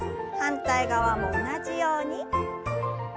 反対側も同じように。